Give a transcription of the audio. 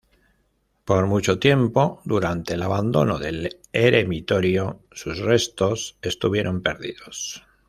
Por mucho tiempo, durante el abandono del eremitorio, sus restos estuvieron perdidos.